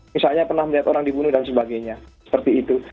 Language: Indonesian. misalnya pernah melihat orang dibunuh dan sebagainya seperti itu